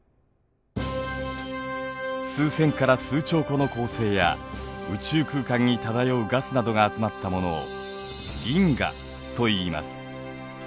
数千から数兆個の恒星や宇宙空間に漂うガスなどが集まったものを銀河といいます。